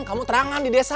kamu terangan di desa